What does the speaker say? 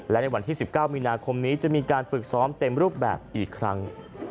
และในวันที่๑๙มีนาคมนี้จะมีการฝึกซ้อมเต็มรูปแบบอีกครั้ง